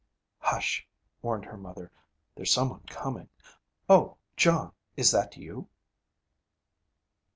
'Hush,' warned her mother. 'There's some one coming. Oh, John, is that you?'